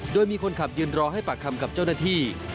โดยมีคนขับยืนรอให้ปากคำกับเจ้าหน้าที่